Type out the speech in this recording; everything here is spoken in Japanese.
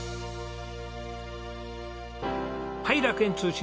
はい楽園通信です。